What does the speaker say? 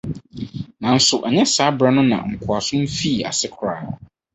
Nanso ɛnyɛ saa bere no na nkoasom fii ase koraa.